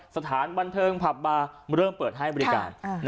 สถานบันเทิงผับบาร์เริ่มเปิดให้บริการ